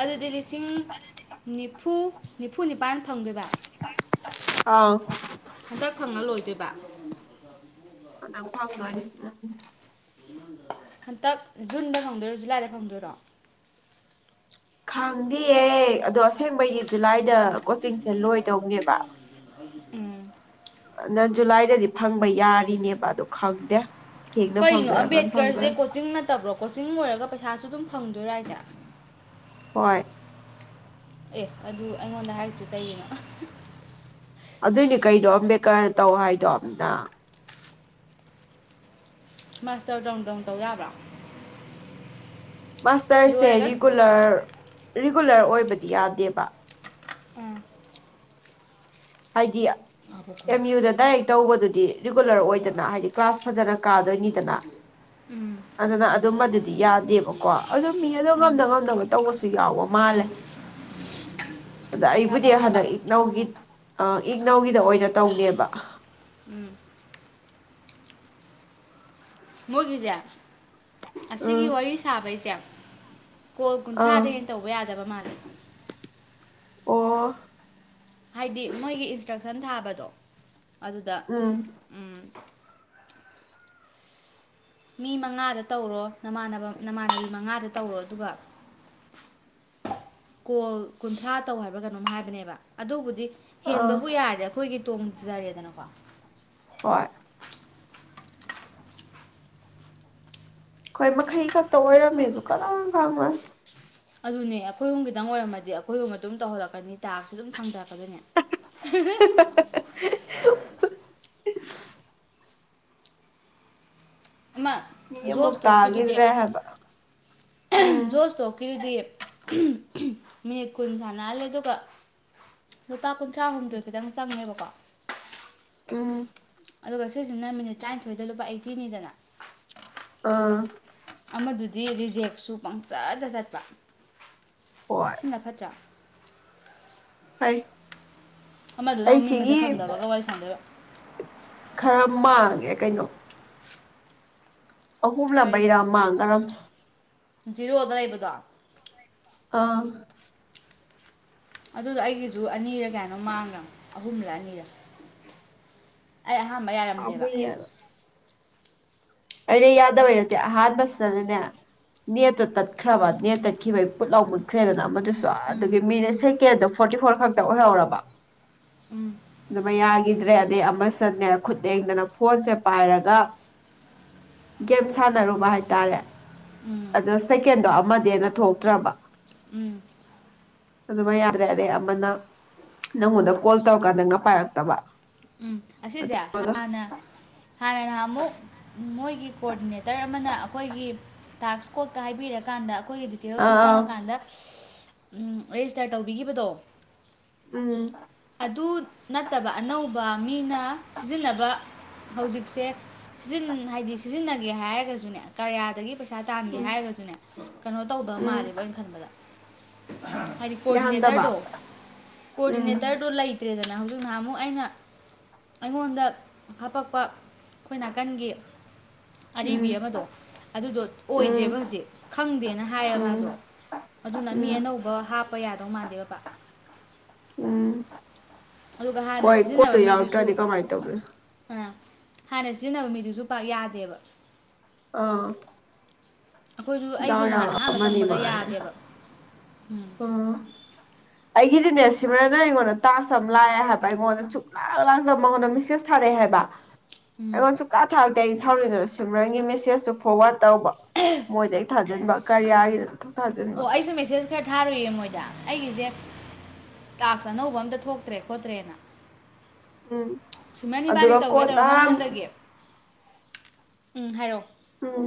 ꯑꯗꯨꯗꯤ ꯂꯤꯁꯤꯡ ꯅꯤꯐꯨ ꯅꯤꯐꯨ ꯅꯤꯄꯥꯟ ꯐꯪꯗꯣꯏꯕ꯫ ꯑꯥꯎ꯫ ꯍꯟꯗꯛ ꯐꯪꯉ ꯂꯣꯏꯗꯣꯏꯕ꯫ [unintelligible] ꯍꯟꯗꯛ ꯖꯨꯟꯗ ꯐꯪꯗꯣꯏꯔꯣ ꯖꯨꯂꯥꯏꯗ ꯐꯪꯗꯣꯏꯔꯣ꯫ ꯈꯪꯗꯦꯌꯦ ꯑꯗꯣ ꯑꯁꯦꯡꯕꯒꯤ ꯖꯨꯂꯥꯏꯗ ꯀꯣꯆꯤꯡꯁꯦ ꯂꯣꯏꯗꯧꯅꯦꯕ ꯎꯝ꯫ [unintelligible] ꯖꯨꯂꯥꯏꯗꯗꯤ ꯐꯪꯕ ꯌꯥꯔꯤꯅꯦꯕ ꯑꯗꯨ ꯈꯪꯗꯦ꯫ ꯊꯦꯡꯅ ꯀꯩꯅꯣ ꯐꯪꯗꯣꯏꯔꯥ ꯉꯟꯅ ꯑꯝꯕꯦꯗꯀꯔꯁꯦ ꯐꯪꯗꯣꯏꯔꯥ ꯀꯣꯆꯤꯡ ꯅꯠꯇꯕ꯭ꯔꯣ ꯀꯣꯆꯤꯡ ꯂꯣꯏꯔꯒ ꯄꯩꯁꯥꯁꯨ ꯑꯗꯨꯝ ꯐꯪꯗꯣꯏꯔ ꯍꯥꯏꯁꯦ꯫ ꯍꯣꯏ꯫ ꯑꯦ ꯑꯗꯨ ꯑꯩꯉꯣꯟꯗ ꯍꯥꯏꯔꯛꯇ꯭ꯔꯤ ꯀꯩꯒꯤꯅꯣ꯫ ꯑꯗꯨꯏꯅꯤ ꯀꯩꯅꯣ ꯑꯝꯕꯦꯗꯀꯔ ꯇꯧ ꯍꯥꯏꯗꯣ [unintelligible] ꯃꯥꯁꯇꯔ ꯇꯧ ꯇꯧꯅ ꯇꯧ ꯌꯥꯕ꯭ꯔꯣ꯫ ꯃꯥꯁꯇꯔꯁꯦ ꯂꯣꯏꯔꯒ ꯔꯤꯒꯨꯂꯔ ꯔꯤꯒꯨꯂꯔ ꯑꯣꯏꯕꯗꯤ ꯌꯥꯗꯦꯕ꯫ ꯎꯝ꯫ ꯍꯥꯏꯗꯤ ꯑꯦꯝ ꯌꯨꯗ ꯗꯥꯏꯔꯦꯛ ꯇꯧꯕꯗꯨꯗꯤ ꯔꯤꯒꯨꯂꯔ ꯑꯣꯏꯗꯅ ꯍꯥꯏꯗꯤ ꯀ꯭ꯂꯥꯁ ꯐꯖꯅ ꯀꯥꯗꯣꯏꯅꯤꯗꯅ ꯎꯝ ꯑꯗꯨꯅ ꯑꯗꯨꯝꯕꯗꯨꯗꯤ ꯌꯥꯗꯦꯕꯀꯣ ꯑꯗꯨꯝ ꯃꯤ ꯑꯣ ꯉꯝꯅ ꯉꯝꯅꯕ ꯇꯧꯕꯁꯨ ꯌꯥꯎꯕ ꯃꯥꯜꯂꯦ ꯑꯗ ꯄꯩꯁꯥ ꯑꯩꯕꯨꯗꯤ ꯐꯪꯅꯕ ꯍꯟꯗꯛ ꯏꯛꯅꯧꯒꯤ ꯑ ꯏꯛꯅꯧꯒꯤꯗ ꯑꯣꯏꯅ ꯇꯧꯒꯦꯕ꯫ ꯎꯝ꯫ ꯃꯣꯏꯒꯤꯖꯦ ꯑꯁꯤꯒꯤ ꯎꯝ ꯋꯥꯔꯤ ꯁꯥꯕꯩꯁꯦ ꯀꯣꯜ ꯑꯥ ꯀꯨꯟꯊ꯭ꯔꯥꯗꯒꯤ ꯍꯦꯟꯅ ꯇꯧꯕ ꯌꯥꯗꯕ ꯃꯥꯜꯂꯦ꯫ ꯑꯣ꯫ ꯍꯥꯏꯗꯤ ꯃꯣꯏꯒꯤ ꯏꯟꯁꯇ꯭ꯔꯛꯁꯟ ꯊꯥꯕꯗꯣ ꯑꯗꯨꯗ ꯎꯝ ꯎꯝ ꯃꯤ ꯃꯉꯥꯗ ꯇꯧꯔꯣ ꯅꯃꯥꯟꯅꯕ ꯅꯃꯥꯟꯅꯕꯤ ꯃꯉꯥꯗ ꯇꯧꯔꯣ ꯑꯗꯨꯒ ꯀꯣꯜ ꯀꯨꯟꯊ꯭ꯔꯥ ꯇꯧ ꯍꯥꯏꯕ ꯀꯩꯅꯣꯝ ꯍꯥꯏꯕꯅꯦꯕ ꯑꯗꯨꯕꯨꯗꯤ ꯑꯥ ꯍꯦꯟꯕꯕꯨ ꯌꯥꯗꯦ ꯑꯩꯈꯣꯏꯒꯤ ꯇꯣꯡꯝꯖꯔꯦꯗꯅꯀꯣ ꯍꯣꯏ ꯈ‌ꯣꯏ ꯃꯈꯩ ꯈꯛꯇ ꯑꯣꯏꯔꯝꯃꯦꯁꯨ [inaudible] ꯗꯥꯝ [inaudible] ꯑꯗꯨꯅꯦ ꯑꯈꯣꯏꯍꯨꯝ ꯈꯤꯇꯪ ꯑꯣꯏꯔꯝꯃꯗꯤ ꯑꯩꯈꯣꯏꯍꯨꯝ ꯑꯗꯨꯝ ꯇꯧꯍꯜꯂꯛꯀꯅꯤ ꯇꯥꯛꯒꯁꯨ ꯑꯗꯨꯝ ꯁꯥꯡꯂꯔꯛꯀꯗꯣꯏꯅꯦ [unintelligible] ꯑꯃ ꯃꯤ ꯑꯃꯨꯛ ꯖꯣꯁ ꯇꯧꯔꯛꯈꯤꯗꯨꯗꯤ ꯇꯥꯈꯤꯗ꯭ꯔꯦ ꯍꯥꯏꯕ ꯎꯝ ꯖꯣꯁ ꯇꯧꯔꯛꯈꯤꯗꯨꯗꯤ ꯃꯤꯅꯠ ꯀꯨꯟ ꯁꯥꯟꯅꯍꯜꯂꯦ ꯑꯗꯨꯒ ꯂꯨꯄꯥ ꯀꯨꯟꯊ꯭ꯔꯥ ꯍꯨꯝꯗꯣꯢ ꯈꯤꯇꯪ ꯆꯪꯉꯦꯕꯀꯣ ꯎꯝ ꯑꯗꯨꯒ ꯁꯤꯁꯤꯅ ꯃꯤꯅꯤꯠ ꯇꯔꯥꯅꯤꯊꯣꯏꯗ ꯂꯨꯄꯥ ꯑꯩꯠꯇꯤꯅꯤꯗꯅ ꯑꯥ ꯑꯃꯗꯨꯗꯤ ꯔꯤꯖꯦꯛꯁꯨ ꯄꯪꯆꯠ ꯆꯠꯄ ꯍꯣꯏ ꯁꯤꯅ ꯐꯠꯇ꯭ꯔꯥ ꯐꯩ ꯑꯃꯗꯨꯅ ꯑꯩ ꯃꯤ ꯃꯁꯛ ꯁꯤꯒꯤ ꯈꯪꯗꯕꯒ ꯋꯥꯔꯤ ꯁꯥꯟꯗꯣꯏꯕ ꯈꯔ ꯃꯥꯡꯉꯦ ꯀꯩꯅꯣ ꯀꯔꯤ ꯑꯍꯨꯝꯂꯥꯃꯩꯔꯥ ꯃꯥꯡꯒꯔꯕꯅꯦ ꯖꯤꯔꯣꯗ ꯂꯩꯕꯗꯣ ꯑꯥ ꯑꯗꯨꯗꯣ ꯑꯩꯒꯤꯁꯨ ꯑꯅꯤꯔ ꯀꯥꯌꯥꯅꯣ ꯃꯥꯡꯈ꯭ꯔꯕꯅꯦ ꯑꯍꯨꯝꯂ ꯑꯅꯤꯔ ꯑꯩ ꯑꯍꯥꯟꯕ ꯌꯥꯔꯝꯗꯦꯕ ꯄꯥꯝꯃꯨꯏꯌꯦ ꯑꯩꯗꯤ ꯌꯥꯗꯕꯩ ꯅꯠꯇꯦ ꯑꯍꯥꯟꯕꯁꯤꯗꯅꯅꯦ ꯅꯦꯠꯇꯨ ꯇꯠꯈ꯭ꯔꯕ ꯅꯦꯠ ꯇꯠꯈꯤꯕꯒꯤ ꯄꯨꯠꯂꯥꯎꯅ ꯃꯨꯠꯈ꯭ꯔꯦꯗꯅ ꯑꯃꯗꯨ ꯎꯝ [inaudible] ꯃꯤꯅꯠ ꯎꯝ ꯁꯦꯀꯦꯟꯗ ꯐꯣꯔꯇꯤ ꯐꯣꯔ ꯈꯛꯇ ꯑꯣꯏꯍꯧꯔꯕ ꯎꯝ ꯑꯗꯨꯃꯥ ꯌꯥꯈꯤꯗ꯭ꯔꯦ ꯑꯗꯩ ꯑꯃꯁꯤꯅꯦ ꯈꯨꯠ ꯂꯦꯡꯗꯅ ꯐꯣꯟꯁꯦ ꯄꯥꯏꯔꯒ ꯒꯦꯝ ꯁꯥꯟꯅꯔꯨꯕ ꯍꯥꯏꯇꯥꯔꯦ ꯎꯝ ꯑꯗꯣ ꯁꯦꯀꯦꯟꯗꯣ ꯑꯃꯗꯤ ꯑꯗ ꯊꯣꯛꯇ꯭ꯔꯕ ꯎꯝ ꯑꯗꯨꯃ ꯌꯥꯔ꯭ꯔꯗꯦ ꯑꯃꯅ ꯅꯪꯉꯣꯟꯗ ꯀꯣꯜ ꯇꯧꯔꯀꯥꯟ ꯅꯪꯅ ꯄꯥꯏꯔꯛꯇꯕ ꯎꯝ ꯑꯁꯤꯁꯦ ꯑꯗꯨꯒ ꯍꯥꯟꯅ ꯍꯥꯟꯅ ꯉꯥꯍꯥꯃꯨꯛ ꯃꯣꯏꯒꯤ ꯀꯣꯑꯣꯗꯤꯅꯦꯇꯔ ꯑꯃꯅ ꯑꯩꯈꯣꯏꯒꯤ ꯇꯥꯛꯁ ꯀꯣꯠ ꯍꯥꯏꯕꯤꯔꯀꯥꯟꯗ ꯑꯩꯈꯣꯏꯒꯤꯗꯤ ꯗꯤꯇꯦꯜꯁꯨ ꯑꯥ ꯑꯥ ꯆꯪꯉꯀꯥꯟꯗ ꯔꯦꯖꯤꯁꯇꯔ ꯇꯧꯕꯤꯈꯤꯕꯗꯣ ꯎꯝ ꯑꯗꯨ ꯅꯠꯇꯕ ꯑꯅꯧꯕ ꯃꯤꯅ ꯁꯤꯖꯤꯟꯅꯕ ꯍꯧꯖꯤꯛꯁꯦ [inaudible] ꯍꯥꯏꯗꯤ ꯁꯤꯖꯤꯟꯅꯒꯦ ꯍꯥꯏꯔꯒꯁꯨꯅꯦ ꯀꯔꯌꯥꯗꯒꯤ ꯄꯩꯁꯥ ꯄꯩꯁꯥ ꯇꯥꯟꯒꯦ ꯎꯝ ꯍꯥꯏꯔꯒꯁꯨꯅꯦ ꯀꯩꯅꯣ ꯇꯧꯗꯕ ꯎꯝ ꯃꯥꯜꯂꯦꯕꯣ ꯑꯩꯅ ꯈꯟꯕꯗ ꯍꯥꯏꯗꯤ ꯀꯣꯑꯣꯔꯗꯤꯅꯦꯇꯔ ꯌꯥꯍꯟꯗꯕ ꯇꯣ ꯎꯝ ꯀꯣꯑꯣꯔꯗꯤꯅꯦꯇꯔꯣ ꯂꯩ [inaudible] ꯅꯍꯥꯃꯨꯛ ꯑꯩꯅ ꯑꯩꯉꯣꯟꯗ ꯍꯥꯄꯛꯄ ꯑꯩꯈꯣꯏ ꯅꯥꯀꯟꯒꯤ ꯎꯝ ꯑꯔꯤꯕꯤ ꯑꯃꯗꯣ ꯑꯗꯨꯗꯣ ꯎꯝ ꯑꯣꯏꯗ꯭ꯔꯦꯕ ꯍꯧꯖꯤꯛ ꯈꯪꯗꯦꯅ ꯍꯥꯏꯌꯦ ꯎꯝ ꯃꯥꯁꯨ ꯑꯗꯨꯅ ꯃꯤ ꯎꯝ ꯑꯅꯧꯕ ꯍꯥꯞꯄ ꯌꯥꯗꯧꯕ ꯃꯥꯟꯗꯦꯕꯄꯥꯛ ꯎꯝ ꯑꯗꯨꯒ ꯍꯥꯟꯅ ꯍꯣꯏ ꯀꯣꯠꯇꯣ ꯌꯥꯎꯗ꯭ꯔꯗꯤ ꯀꯃꯥꯏꯅ ꯇꯧꯗꯣꯢꯅꯣ ꯑꯎ ꯍꯥꯟꯅ ꯁꯤꯖꯤꯟꯅꯕ ꯃꯤꯗꯨꯁꯨ ꯄꯥꯛ ꯌꯥꯗꯦꯕ ꯑꯥ ꯑꯩꯈꯣꯏꯁꯨ ꯑꯩꯁꯨ ꯗꯥꯎ ꯅꯍꯥꯟ ꯌꯥꯕ ꯑꯍꯥꯟꯕ ꯑꯃꯅꯤ ꯆꯪꯕꯗ ꯃꯉꯥꯏꯔꯦ ꯌꯥꯗꯦꯕ ꯎꯝ ꯑꯩꯒꯤꯗꯤꯅꯦꯁ [inaudible] ꯑꯩꯉꯣꯟꯗ ꯇꯥꯛꯁ ꯑꯃ ꯂꯥꯛꯑꯦ ꯍꯥꯏꯕ ꯑꯩꯉꯣꯟꯗ ꯁꯨꯛꯂꯥꯛ ꯂꯥꯡꯗ ꯃꯉꯣꯟꯗ ꯃꯦꯁꯦꯁ ꯊꯥꯔꯛꯑꯦ ꯍꯥꯏꯕ [unintelligible] ꯑꯩꯉꯣꯟ ꯁꯨꯛꯊꯥ ꯊꯥꯔꯛꯇꯦ ꯑꯩ ꯁꯥꯎꯅꯤꯡꯗꯅ ꯁꯤꯃꯔꯟꯒꯤ ꯃꯦꯁꯦꯁꯇꯣ ꯐꯣꯔꯋꯥꯔꯗ ꯇꯧꯕ [unintelligible] ꯃꯣꯏꯗ ꯍꯦꯛ ꯊꯥꯖꯤꯟꯕ ꯀꯥꯔꯌꯥꯒꯤꯗꯣ ꯑꯣ ꯑꯩꯁꯨ ꯃꯦꯁꯦꯁ ꯈꯔ ꯊꯥꯔꯨꯏꯌꯦ ꯃꯣꯏꯗ ꯑꯩꯒꯤꯖꯦ ꯇꯥꯛꯁ ꯑꯅꯧꯕ ꯑꯝꯇ ꯊꯣꯛꯇ꯭ꯔꯦ ꯈꯣꯠꯇ꯭ꯔꯦꯅ ꯎꯝ ꯁꯤꯃꯔꯟ ꯏꯕꯥꯅꯤ ꯑꯗꯨꯒ ꯇꯧꯒꯦ ꯇꯧꯔ ꯀꯣꯟꯅ ꯃꯉꯣꯟꯗꯒꯤ ꯎꯝ ꯍꯥꯏꯔꯛꯑꯣ ꯎꯝ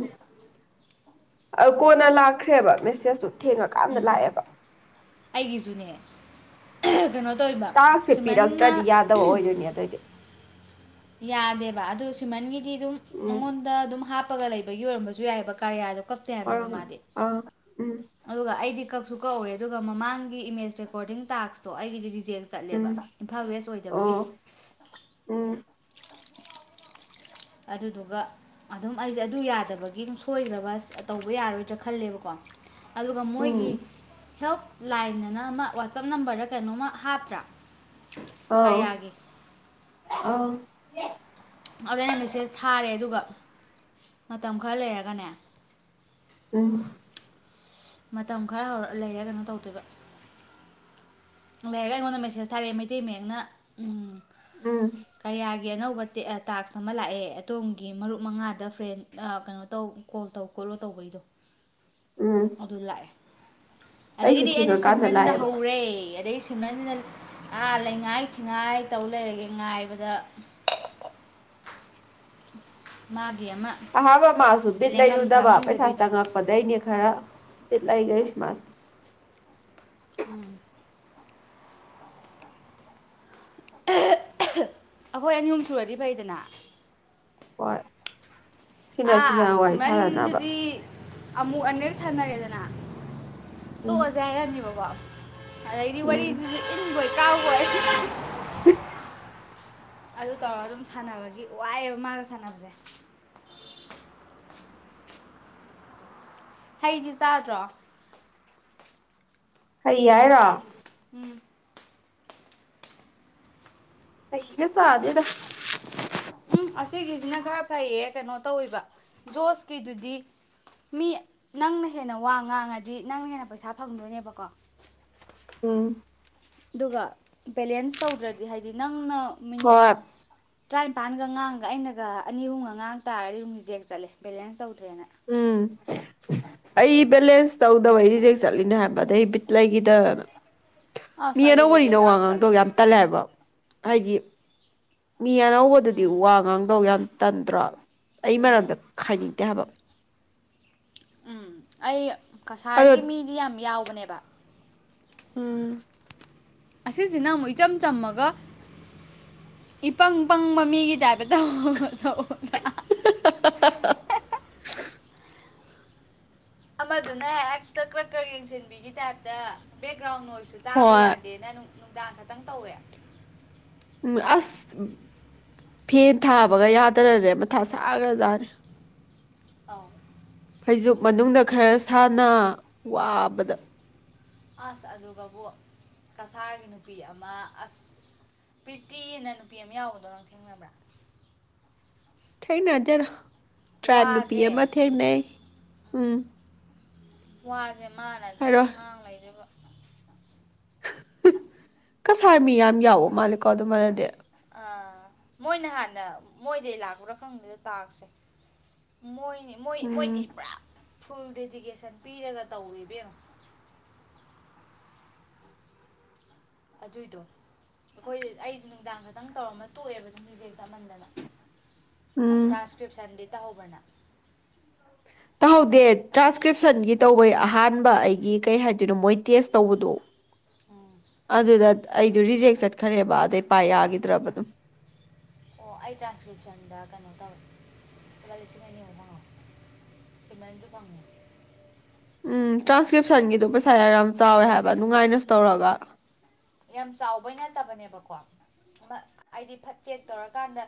ꯑ ꯀꯣꯟꯅ ꯂꯥꯛꯈ꯭ꯔꯦꯕ ꯃꯦꯁꯦꯁꯇꯨ ꯊꯦꯡꯉꯀꯥꯟꯗ ꯎꯝ ꯂꯥꯛꯑꯦꯕ ꯑꯩꯒꯤꯁꯨꯅꯦ ꯀꯩꯅꯣ ꯇꯧꯏꯕ ꯁꯤꯃꯔꯟꯅ ꯃꯤ ꯑꯇꯩꯗꯤ ꯌꯥꯗꯦꯕ ꯑꯗꯨ ꯁꯤꯃꯔꯟꯒꯤꯗꯤ ꯑꯗꯨꯝ ꯎꯝ ꯃꯉꯣꯟꯗ ꯑꯗꯨꯝ ꯍꯥꯞꯄꯒ ꯂꯩꯕꯒꯤ ꯑꯣꯏꯔꯝꯕꯁꯨ ꯌꯥꯏꯑꯦꯕ ꯀꯥꯔꯌꯥꯗꯣ ꯀꯛꯇꯦ ꯍꯥꯏꯕꯅꯤꯕ ꯑꯣꯏꯔꯝꯒꯅꯤ ꯃꯥꯗꯤ ꯑꯥ ꯎꯝ ꯑꯗꯨꯒ ꯑꯩꯗꯤ ꯀꯛꯁꯨ ꯀꯛꯎꯔꯦ ꯑꯗꯨꯒ ꯃꯃꯥꯡꯒꯤ ꯏꯃꯦꯖ ꯔꯦꯀꯣꯔꯗꯤꯡ ꯇꯥꯛꯁꯇꯣ ꯑꯩꯒꯤꯗꯤ ꯔꯤꯖꯦꯛ ꯎꯝ ꯆꯠꯂꯦꯕ ꯏꯝꯐꯥꯜ ꯋꯦꯁ ꯑꯣꯏꯗꯕꯒꯤ ꯑꯣ ꯎꯝ ꯑꯗꯨꯗꯨꯒ ꯑꯗꯨꯝ ꯑꯩꯖꯦ ꯑꯗꯨ ꯌꯥꯗꯕꯒꯤ ꯗꯨꯝ ꯁꯣꯏꯈ꯭ꯔꯕ ꯑꯁ ꯇꯧꯕ ꯌꯥꯔꯔꯣꯏꯗ꯭ꯔꯥ ꯈꯜꯂꯦꯕꯀꯣ ꯑꯗꯨꯒ ꯎꯝ ꯃꯣꯏꯒꯤ ꯍꯦꯜꯞ ꯂꯥꯏꯟ ꯑꯅ ꯑꯃ ꯋꯥꯆꯞ ꯅꯝꯕꯔꯗ ꯀꯩꯅꯣꯝꯃ ꯍꯥꯞꯇ꯭ꯔꯥ ꯑꯥ ꯀꯔꯤꯌꯥꯒꯤ ꯑꯪ ꯑꯗꯨꯗ ꯑꯩꯅ ꯃꯦꯁꯦꯖ ꯊꯥꯔꯦ ꯑꯗꯨꯒ ꯃꯇꯝ ꯈꯔ ꯂꯩꯔꯒꯅꯦ ꯎꯝ ꯃꯇꯝ ꯈꯔ ꯍꯧꯔ ꯂꯩꯔꯒ ꯑꯃꯨꯛ ꯇꯧꯗꯣꯏꯕ ꯂꯣꯏꯔꯒ ꯑꯩꯉꯣꯟꯗ ꯃꯦꯁꯦꯁ ꯊꯥꯔꯛꯑꯦ ꯃꯩꯇꯩ ꯃꯌꯦꯛꯅ ꯎꯝ ꯎꯝ ꯀꯔꯤꯌꯥꯒꯤ ꯑꯅꯧꯕ ꯇꯦ ꯑ ꯇꯥꯛꯁ ꯑꯃ ꯂꯥꯛꯑꯦ ꯑꯗꯣꯝꯒꯤ ꯃꯔꯨꯞ ꯃꯉꯥꯗ ꯐ꯭ꯔꯦꯟ ꯑ ꯀꯩꯅꯣ ꯇꯧ ꯀꯣꯜ ꯇꯧ ꯈꯣꯠꯂꯣ ꯇꯧꯕꯩꯗꯣ ꯎꯝ ꯑꯗꯨ ꯂꯥꯛꯑꯦ ꯑꯩꯁꯨ ꯑꯗꯒꯤꯗꯤ ꯑꯩꯅ ꯊꯦꯡꯉꯀꯥꯟꯗ ꯁꯤꯃꯔꯟꯗ ꯂꯥꯛꯑꯦꯕ ꯍꯧꯔꯦ ꯑꯗꯩꯁꯤ [unintelligible] ꯑꯥ ꯂꯩꯉꯥꯏ ꯊꯤꯉꯥꯏ ꯇꯧ ꯂꯩꯔꯒꯦ ꯉꯥꯏꯕꯗ ꯃꯥꯒꯤ ꯑꯃ ꯑꯍꯥꯥꯟꯕ ꯃꯥꯁꯨ ꯕꯤꯠ ꯂꯦꯡꯉꯝ ꯂꯩꯔꯨꯗꯕ ꯄꯩꯁꯥ ꯁꯥꯉꯝꯗꯕꯤꯗꯣ ꯇꯪꯉꯛꯄꯗꯩꯅꯦ ꯈꯔ ꯕꯤꯠ ꯂꯩꯒꯩꯁꯤ ꯃꯥꯁꯨ ꯎꯝ [unintelligible] ꯑꯩꯈꯣꯏ ꯑꯅꯤ ꯑꯍꯨꯝ ꯁꯨꯔꯗꯤ ꯐꯩꯗꯅ ꯍꯣꯏ ꯁꯤꯅ ꯑꯥ ꯁꯤꯅ ꯋꯥꯔꯤ ꯁꯥꯟꯅꯅꯕ ꯁꯤꯃꯟꯗꯨꯗꯤ ꯑꯃꯨꯛ ꯑꯅꯤꯔꯛ ꯁꯥꯅꯔꯦꯗꯅ ꯎꯝ ꯇꯣꯛꯑꯖꯦ ꯍꯥꯏꯔꯛꯑꯅꯤꯕꯀꯣ ꯑꯗꯩꯗꯤ ꯎꯝ ꯋꯥꯔꯤꯁꯤꯖꯨ ꯏꯟꯕꯣꯏ ꯀꯥꯎꯕꯣꯏ [unintelligible] ꯑꯗꯨ ꯇꯧꯔ ꯑꯗꯨꯝ ꯁꯥꯟꯅꯕꯒꯤ ꯋꯥꯏꯌꯦꯕ ꯃꯥꯒ ꯁꯥꯟꯅꯕꯖꯦ ꯍꯩꯗꯤ ꯆꯥꯗ꯭ꯔꯣ ꯍꯩ ꯍꯥꯏꯔꯣ ꯎꯝ ꯍꯩꯒ ꯆꯥꯗꯦꯗ ꯎꯝ ꯑꯁꯤꯒꯤꯁꯤꯅ ꯈꯔ ꯐꯩꯌꯦ ꯀꯩꯅꯣ ꯇꯧꯋꯤꯕ ꯖꯣꯁꯀꯤꯗꯨꯗꯤ ꯃꯤ ꯅꯪꯅ ꯍꯦꯟꯅ ꯋꯥ ꯉꯥꯡꯉꯗꯤ ꯅꯪꯅ ꯍꯦꯟꯅ ꯄꯩꯁꯥ ꯐꯪꯗꯣꯏꯅꯦꯕꯀꯣ ꯎꯝ ꯑꯗꯨꯒ ꯕꯦꯂꯦꯟꯁ ꯇꯧꯗ꯭ꯔꯗꯤ ꯍꯥꯏꯗꯤ ꯅꯪꯅ ꯃꯤꯅꯤꯠ ꯍꯣꯏ ꯇ꯭ꯔꯥꯏꯝꯄꯥꯟꯒ ꯉꯥꯡꯉꯒ ꯑꯩꯅꯒ ꯑꯅꯤ ꯑꯍꯨꯝꯒ ꯉꯥꯡ ꯇꯥꯔꯗꯤ ꯗꯨꯝ ꯔꯤꯖꯦꯛ ꯆꯠꯂꯦ ꯕꯦꯂꯦꯟꯁ ꯇꯧꯗ꯭ꯔꯦꯅ ꯎꯝ ꯑꯩ ꯕꯦꯂꯦꯟꯁ ꯇꯧꯗꯕꯩ ꯔꯤꯁꯦꯛ ꯆꯠꯂꯤꯅꯦ ꯍꯥꯏꯕ ꯑꯗꯩ ꯕꯤꯠꯂꯒꯤꯗꯅ ꯑꯁ ꯑꯩꯗꯤ ꯃꯤꯅꯧꯧꯕꯅꯤꯅꯣ ꯔꯤꯖꯦꯛ ꯌꯥꯝ ꯋꯥꯉꯥꯡ ꯇꯣ ꯆꯠꯂꯦ ꯌꯥꯝ ꯇꯂꯦ ꯍꯥꯏꯕ ꯍꯥꯏꯗꯤ ꯃꯤ ꯑꯅꯧꯕꯗꯨꯗꯤ ꯎꯝ ꯋꯥ ꯉꯥꯡꯗꯧ ꯌꯥꯝ ꯇꯟꯗ꯭ꯔꯣ ꯑꯩ ꯎꯝ ꯃꯔꯝꯗ ꯈꯥꯏꯅꯤꯡꯗꯦ ꯍꯥꯏꯕ ꯎꯝ ꯑꯩ ꯑꯗꯣ ꯀꯁꯥꯔꯒꯤ ꯃꯤꯗꯤ ꯌꯥꯝ ꯌꯥꯎꯕꯅꯦꯕ ꯎꯝ ꯑꯁꯤꯁꯤꯅ ꯑꯃꯨꯛ ꯏꯆꯝ ꯆꯝꯃꯒ ꯏ ꯄꯪ ꯄꯪꯕ ꯃꯤꯒꯤ ꯥꯏꯕ ꯇꯧꯑꯣ ꯇꯧꯑꯣꯗ [inaudible] ꯑꯃꯗꯨꯅ ꯍꯦꯛꯇ ꯀ꯭ꯔꯛ ꯀ꯭ꯔꯛ ꯌꯦꯡꯁꯤꯟꯕꯤꯒꯤ ꯇꯥꯏꯞꯇ ꯕꯦꯛꯒ꯭ꯔꯥꯎꯟꯣꯏꯁꯨ ꯇꯥꯕ ꯍꯣꯏ ꯌꯥꯗꯦ ꯑꯦꯅ ꯅꯨꯡꯗꯥꯡ ꯈꯛꯇꯪ ꯇꯧꯋꯦ ꯎꯝ ꯑꯁ ꯐꯦꯟ ꯊꯥꯕꯒ ꯌꯥꯗꯔꯅꯦꯦ ꯃꯊꯥ ꯁꯥꯈ꯭ꯔꯖꯥꯠꯅꯤꯦ ꯑꯥꯎ ꯐꯩꯖꯣꯨꯞ ꯃꯅꯨꯡꯗ ꯈꯔ ꯁꯥꯥꯟꯅ ꯋꯥꯕꯗ ꯑꯁ ꯑꯗꯨꯒꯕꯨ ꯀꯁꯥꯔꯒꯤ ꯅꯨꯄꯤ ꯑꯃ ꯑꯁ ꯄ꯭ꯔꯤꯇꯤꯅ ꯅꯨꯄꯤ ꯑꯃ ꯌꯥꯎꯕꯗꯣ ꯅꯪ ꯊꯦꯡꯅꯕ꯭ꯔꯥ ꯊꯩꯅꯗꯦꯗ ꯇ꯭ꯔꯥꯞ ꯅꯨꯄꯤ ꯋꯥꯁꯦ ꯑꯃꯥ ꯊꯦꯡꯅꯩ ꯎꯝ ꯋꯥꯖꯦ ꯃꯥꯅ ꯑꯗꯨꯝ ꯍꯥꯏꯔꯣꯏ ꯉꯥꯡ ꯂꯩꯗꯣꯏꯕ ꯀꯁꯥꯔ ꯃꯤ ꯌꯥꯝ ꯌꯥꯎꯕ ꯃꯥꯜꯂꯦꯀꯣ ꯑꯗꯨꯃꯥꯏꯅꯗꯤ ꯑꯥ ꯃꯣꯏꯅ ꯍꯥꯟꯅ ꯃꯣꯏꯗꯒꯤ ꯂꯥꯛꯄ꯭ꯔꯥ ꯈꯪꯗꯦꯗ ꯇꯥꯛꯁꯦ ꯃꯣꯏꯅꯤ ꯃꯣꯏ ꯎꯝ ꯃꯣꯏꯗꯤ ꯄꯨꯔꯥ ꯐꯨꯜ ꯗꯦꯗꯤꯀꯦꯁꯟ ꯄꯤꯔꯒ ꯇꯧꯔꯦꯏꯕꯦꯝꯃ ꯑꯗꯨꯏꯗꯣ ꯑꯩꯈꯣꯏ ꯑꯩꯁꯨ ꯅꯨꯡꯗꯥꯡ ꯈꯛꯇꯪ ꯇꯧꯔꯝꯃ ꯇꯣꯛꯑꯦꯕ ꯔꯤꯖꯦꯛ ꯆꯥꯃꯟꯗꯅ ꯎꯝ ꯇ꯭ꯔꯥꯟ꯭ꯁꯀ꯭ꯔꯤꯞꯁꯟꯗꯤ ꯇꯧꯍꯧꯕ꯭ꯔꯥ ꯅꯪ ꯇꯧꯍꯧꯗꯦ ꯇ꯭ꯔꯥꯟꯁꯀ꯭ꯔꯤꯞꯁꯟꯒꯤ ꯇꯧꯕꯩ ꯑꯍꯥꯟꯕ ꯑꯩꯒꯤ ꯀꯩ ꯍꯥꯏꯗꯣꯏꯅꯣ ꯃꯣꯏ ꯇꯦꯁ ꯇꯧꯕꯗꯣ [inaudible] ꯑꯗꯨꯗ ꯑꯩꯗꯣ ꯔꯤꯖꯦꯛ ꯆꯠꯈ꯭ꯔꯦꯕ ꯑꯗꯩ ꯄꯥꯏ ꯌꯥꯈꯤꯗ꯭ꯔꯕ ꯑꯗꯨꯝ ꯑꯣ ꯑꯩ ꯇ꯭ꯔꯥꯟꯁꯀ꯭ꯔꯤꯞꯁꯟꯗ ꯀꯩꯅꯣ ꯇꯧꯋꯦ ꯂꯨꯄꯥ ꯂꯤꯁꯤꯡ ꯑꯅꯤꯃꯨꯛ ꯐꯪꯉꯧꯏ [unintelligible] ꯐꯪꯉꯦ ꯎꯝ ꯇ꯭ꯔꯥꯟꯁꯀ꯭ꯔꯤꯞꯁꯟꯒꯤꯗꯨꯣ ꯄꯩꯁꯥ ꯌꯥꯝ ꯌꯥꯝ ꯆꯥꯎꯋꯦ ꯍꯥꯏꯕ ꯅꯨꯡꯉꯥꯏꯅꯁꯨ ꯇꯧꯔꯒ ꯌꯥꯝ ꯆꯥꯎꯕꯩ ꯅꯠꯇꯕꯅꯦꯕꯀꯣ ꯍꯥꯏꯗꯤ ꯐꯠꯆꯦꯛ ꯇꯧꯔꯀꯥꯟꯗ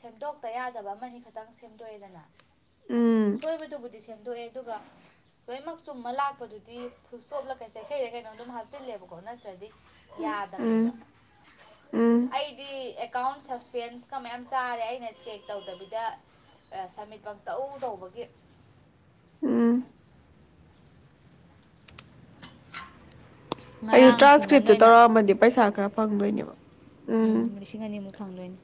ꯁꯦꯝꯗꯣꯛꯇ ꯌꯥꯗꯕ ꯑꯃꯅꯤ ꯈꯛꯇꯪ ꯁꯦꯝꯗꯣꯛꯑꯦꯗꯅ ꯎꯝ ꯁꯣꯏꯕꯗꯨꯕꯨꯗꯤ ꯁꯦꯝ ꯗꯣꯛꯑꯦ ꯑꯗꯨꯒ ꯂꯣꯏꯅꯃꯛ ꯆꯨꯝꯃ ꯂꯥꯛꯄꯗꯨꯗꯤ ꯐꯨꯜ꯭ꯁꯇꯣꯞꯂ ꯀꯩ ꯆꯩꯩꯈꯩꯔ ꯀꯩꯅꯣ ꯑꯗꯨꯝ ꯍꯥꯞꯆꯤꯜꯂꯦꯕꯀꯣ ꯅꯠꯇ꯭ꯔꯗꯤ ꯌꯥꯗꯕꯅꯦꯕ ꯎꯝ ꯎꯝ ꯑꯩꯗꯤ ꯑꯦꯀꯥꯎꯟ ꯁꯁ ꯄꯦꯟꯁꯀ ꯃꯌꯥꯝ ꯆꯥꯔꯦ ꯑꯩꯅ ꯆꯦꯛ ꯇꯧꯗꯕꯤꯗ ꯁꯃꯤꯠ ꯄꯪ ꯇꯧ ꯇꯧꯕꯒꯤ ꯎꯝ ꯑꯩꯁꯨ ꯉꯔꯥꯡ ꯁꯤꯃꯔꯟ ꯇ꯭ꯔꯥꯟꯁꯀ꯭ꯔꯤꯞꯇꯨ ꯑꯣꯏꯅ ꯇꯧꯔꯛꯑꯃꯗꯤ ꯄꯩꯁꯥ ꯈꯔ ꯐꯪꯗꯣꯏꯅꯦꯕ ꯎꯝ ꯂꯤꯁꯤꯡ ꯑꯅꯤꯃꯨꯛ ꯐꯪꯗꯣꯏꯅꯦ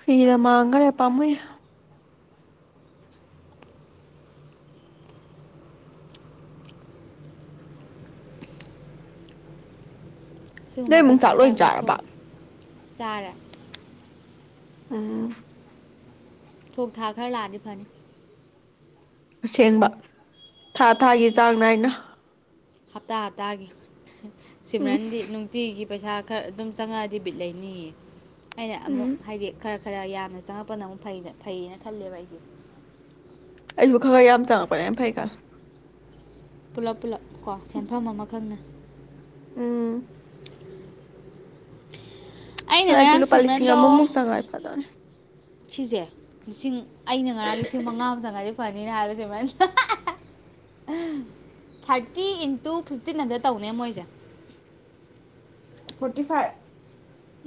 ꯐ꯭ꯔꯤꯗ ꯃꯥꯡꯈꯔꯦ ꯄꯥꯝꯃꯨ ꯅꯣꯏꯃꯨꯡ ꯆꯥꯛ ꯂꯣꯏ ꯆꯥꯔꯕ ꯆꯔꯦ ꯎꯝ ꯊꯣꯡ ꯊꯥ ꯈꯔ ꯂꯥꯛꯑꯗꯤ ꯐꯅꯤ ꯑꯁꯦꯡꯕ ꯊꯥ ꯊꯥꯒꯤ ꯆꯥꯡ ꯅꯥꯏꯅ ꯍꯞꯇꯥ ꯍꯞꯇꯥꯒꯤ ꯎꯝ ꯁꯤꯃꯔꯟꯗꯤ ꯇꯤꯒꯤ ꯄꯩꯁꯥ ꯈꯔ ꯑꯗꯨꯝ ꯆꯪꯉꯛꯑꯗꯤ ꯕꯤꯠ ꯂꯩꯅꯤꯌꯦ ꯑꯩꯅ ꯎꯝ ꯑꯃꯨꯛ ꯍꯥꯏꯗꯤ ꯈꯔ ꯈꯔ ꯌꯥꯝꯅ ꯆꯪꯉꯛꯄꯅ ꯑꯃꯨꯛ ꯐ ꯐꯩꯌꯦꯅ ꯈꯜꯂꯦꯕ ꯑꯩꯗꯤ ꯑꯩꯕꯨ ꯈꯒ ꯌꯥꯝ ꯇꯪꯉꯛꯄꯅ ꯌꯥꯝ ꯐꯩꯗ ꯄꯨꯂꯞ ꯄꯨꯂꯞ ꯀꯣ ꯁꯦꯟꯐꯝ ꯑꯃꯈꯛꯅ ꯎꯝ ꯑꯩꯅ ꯍꯟꯗꯛꯇꯤ ꯉꯔꯥꯡ ꯂꯨꯄꯥ ꯂꯤꯁꯤꯡ ꯁꯤꯝꯔꯟꯗꯣ ꯑꯃꯃꯨꯛ ꯆꯪꯉꯛꯑꯗꯤ ꯐꯗꯧꯅꯦ ꯁꯤꯁꯦ ꯂꯤꯁꯤꯡ ꯑꯩꯅ ꯉꯔꯥꯡ ꯂꯤꯁꯤꯡ ꯃꯉꯥ ꯑꯃ ꯆꯪꯉꯥꯏꯗꯤ ꯐꯅꯤꯅ ꯍꯥꯏꯕ ꯁꯤꯝꯔꯟ ꯊꯥꯔꯇꯤ ꯏꯟꯇꯨ ꯐꯤꯞꯇꯤꯟ ꯑꯝꯇ ꯇꯧꯅꯦ ꯃꯣꯏꯁꯦ ꯐꯣꯔꯇꯤ ꯐꯥꯏꯚ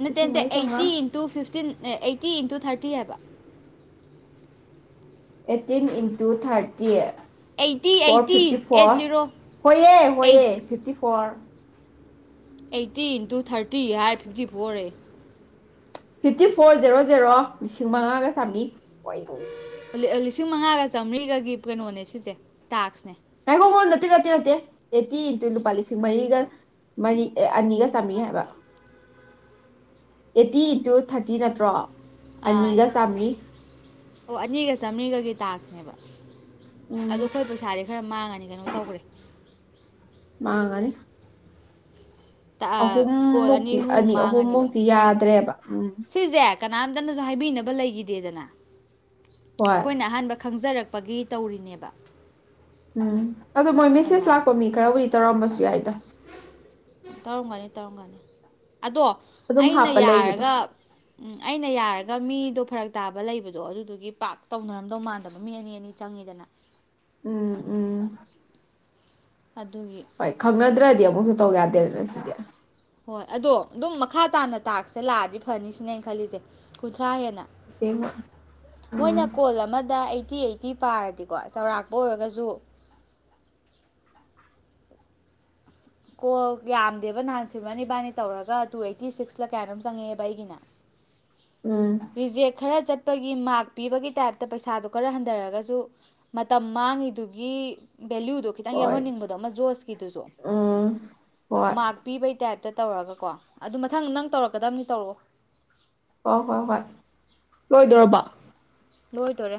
ꯅꯠꯇꯦ ꯂꯤꯁꯤꯡ ꯅꯠꯇꯦ ꯃꯔꯤ ꯆꯥꯝꯃꯉꯥ eighty into fifteen eighty into thirty ꯍꯥꯏꯕ eighteen into thirty eighty four eighty fifty eight four zero ꯍꯌꯦ ꯑꯩꯠ ꯍꯌꯦ fifty four eighty into thirty ꯍꯥꯏꯔ ꯐꯤꯞꯇꯤ ꯐꯣꯔꯌꯦ ꯐꯤꯞꯇꯤ ꯐꯣꯔ ꯖꯦꯔꯣ ꯖꯦꯔꯣ ꯂꯤꯁꯤꯡ ꯃꯉꯥꯒ ꯆꯥꯝꯃ꯭ꯔꯤ [inaudible] ꯂꯤꯁꯤꯡ ꯃꯉꯥꯒ ꯆꯥꯝꯔꯤꯒꯒꯤ ꯀꯩꯅꯣꯅꯦ ꯁꯤꯁꯦ ꯇꯥꯛ꯭ꯁꯅꯦ ꯉꯥꯏꯈꯣ ꯉꯥꯏꯒꯣ ꯅꯠꯇꯦ ꯅꯠꯇꯦ ꯅꯠꯇꯦ ꯑꯩꯠꯇꯤ ꯏꯟꯇꯨ ꯂꯨꯄꯥ ꯂꯤꯁꯤꯡ ꯃꯔꯤꯒ ꯃꯔꯤ ꯑꯦ ꯑꯅꯤꯒ ꯆꯥꯝꯃꯤ ꯍꯥꯏꯕ ꯑꯦꯠꯇꯤ ꯏꯟꯇꯨ ꯊꯥꯔꯇꯤ ꯅꯠꯇ꯭ꯔꯣ ꯑꯥ ꯑꯅꯤꯒ ꯆꯥꯝꯃꯔꯤ ꯑꯣ ꯑꯅꯤꯒ ꯆꯥꯝꯔꯤꯒꯒꯤ ꯇꯥꯛꯁꯅꯦꯕ ꯑꯗꯣ ꯎꯝ ꯑꯩꯈꯣꯏ ꯄꯩꯁꯥꯗꯤ ꯈꯔ ꯃꯥꯡꯉꯅꯤ ꯀꯩꯅꯣ ꯇꯧꯈ꯭ꯔꯦ ꯃꯥꯒꯅꯤ ꯀꯣꯜ ꯑꯅꯤ ꯑꯍꯨꯝꯃꯨꯛꯇꯤ ꯑꯍꯨꯝ ꯃꯥꯡꯉꯅꯦꯕ ꯑꯍꯨꯝꯃꯨꯛꯇꯤ ꯌꯥꯗ꯭ꯔꯦꯕ ꯎꯝ ꯁꯤꯁꯦ ꯀꯅꯥꯝꯇꯅꯁꯨ ꯍꯥꯏꯕꯤꯅꯕ ꯂꯩꯈꯤꯗꯦꯗꯅ ꯍꯣꯏ ꯑꯩꯈꯣꯏꯅ ꯑꯍꯥꯟꯕ ꯈꯪꯖꯔꯛ ꯄꯒꯤ ꯇꯧꯔꯤꯅꯦꯕ ꯎꯝ ꯑꯗꯣ ꯃꯣꯏ ꯃꯦꯁꯦꯖ ꯑꯗꯨꯃꯥꯏꯅ ꯂꯥꯛꯄ ꯃꯤ ꯈꯔꯕꯨꯔꯤ ꯇꯧꯔꯝꯕꯁꯨ ꯌꯥꯏꯗꯣ ꯇꯧꯔꯝꯒꯅꯤ ꯇꯧꯔꯝꯒꯅꯤ ꯑꯗꯣ ꯑꯗꯨꯝ ꯑꯩꯅ ꯍꯥꯞꯄ ꯂꯩꯕꯗꯣ ꯌꯥꯔꯒ ꯎꯝ ꯑꯩꯅ ꯌꯥꯔꯒ ꯃꯤꯗꯣ ꯐꯔꯛ ꯇꯥꯕ ꯂꯩꯕꯗꯣ ꯑꯗꯨꯗꯨꯒꯤ ꯄꯥꯛ ꯇꯧꯅꯔꯝꯗꯧ ꯃꯥꯟꯗꯕ ꯃꯤ ꯑꯅꯤ ꯑꯅꯤ ꯆꯪꯉꯤꯗꯅ ꯎꯝ ꯎꯝ ꯑꯗꯨꯒꯤ ꯍꯣꯏ ꯈꯪꯅꯗ꯭ꯔꯗꯤ ꯑꯃꯨꯛꯁꯨ ꯇꯧ ꯌꯥꯗꯦꯗꯅ ꯁꯤꯗꯤ ꯍꯣꯏ ꯑꯗꯣ ꯑꯗꯨꯝ ꯃꯈꯥ ꯇꯥꯅ ꯇꯥꯛꯁꯦ ꯂꯥꯛꯑꯗꯤ ꯐꯅꯤꯁꯤꯅꯦꯅ ꯈꯜꯂꯤꯁꯦ ꯀꯨꯟꯊ꯭ꯔꯥ ꯍꯦꯟꯅ ꯑꯁꯦꯡꯕ ꯎꯝ ꯃꯣꯏꯅ ꯀꯣꯜ ꯑꯃꯗ ꯑꯩꯠꯇꯤ ꯑꯩꯠ ꯀꯤ ꯄꯥꯔꯗꯤꯀꯣ ꯆꯥꯎꯧꯔꯥꯛꯄ ꯑꯣꯏꯔꯒꯁꯨ ꯀꯣꯜ ꯌꯥꯝꯗꯦꯕ ꯅꯍꯥꯟ ꯁꯤꯜꯃꯅꯤ ꯏꯕꯥꯅꯤ ꯇꯧꯔꯒ ꯇꯨ ꯑꯩꯠꯇꯤ ꯁꯤꯛꯁꯇ ꯀꯌꯥ ꯑꯗꯨꯝ ꯆꯪꯉꯛꯦꯕ ꯑꯩꯒꯤꯅ ꯎꯝ ꯔꯤꯖꯦꯛ ꯈꯔ ꯆꯠꯄꯒꯤ ꯃꯔꯛ ꯄꯤꯕꯒꯤ ꯇꯥꯏꯞꯇ ꯄꯩꯁꯥꯗꯨꯣ ꯈꯔ ꯍꯟꯊꯔꯒꯁꯨ ꯃꯇꯝ ꯃꯥꯡꯉꯤꯗꯨꯒꯤ ꯚꯦꯂꯨꯗꯨꯣ ꯈꯤꯇꯪ ꯍꯣꯏ ꯌꯥꯎꯍꯟꯅꯤꯡꯕꯗꯣ ꯑꯃ ꯖꯣꯁꯀꯤꯗꯨꯁꯨ ꯎꯝ ꯍꯣꯏ ꯃꯥꯛ ꯄꯤꯕꯩ ꯇꯥꯏꯞꯇ ꯇꯧꯔꯒꯀꯣ ꯑꯗꯨ ꯃꯊꯪ ꯅꯪ ꯇꯧꯔꯛꯀꯗꯕꯅꯤ ꯇꯧꯔꯛꯑꯣ ꯍ ꯍꯣꯏ ꯍꯣꯏ ꯂꯣꯏꯗꯣꯏꯔꯕ ꯂꯣꯏꯗꯣꯏꯣꯔꯦ